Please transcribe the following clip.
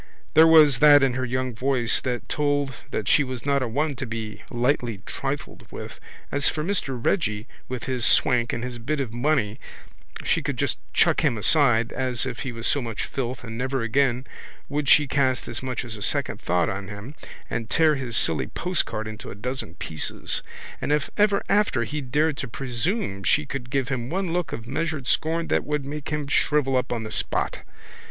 There was that in her young voice that told that she was not a one to be lightly trifled with. As for Mr Reggy with his swank and his bit of money she could just chuck him aside as if he was so much filth and never again would she cast as much as a second thought on him and tear his silly postcard into a dozen pieces. And if ever after he dared to presume she could give him one look of measured scorn that would make him shrivel up on the spot.